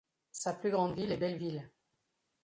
Sa plus grande ville est Belleville.